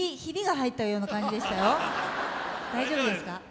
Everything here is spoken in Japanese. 大丈夫ですか？